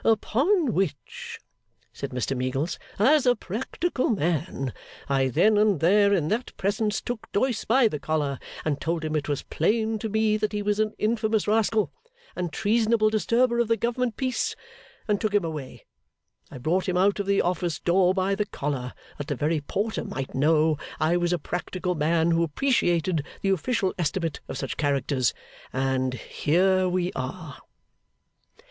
'Upon which,' said Mr Meagles, 'as a practical man, I then and there, in that presence, took Doyce by the collar, and told him it was plain to me that he was an infamous rascal and treasonable disturber of the government peace, and took him away. I brought him out of the office door by the collar, that the very porter might know I was a practical man who appreciated the official estimate of such characters; and here we are!